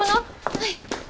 はい！